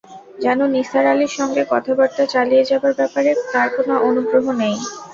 যেন নিসার আলির সঙ্গে কথাবার্তা চালিয়ে যাবার ব্যাপারে তার কোনো অনুগ্রহ নেই।